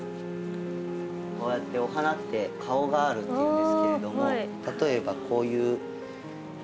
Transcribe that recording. こうやってお花って「顔がある」っていうんですけれども例えばこういうキキョウやとですね